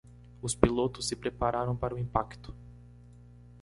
Os pilotos se prepararam para o impacto.